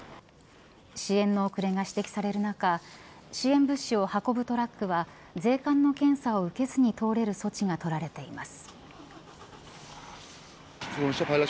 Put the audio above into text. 支援の遅れが指摘される中支援物資を運ぶトラックは税関の検査を受けずに通れる措置がとられています。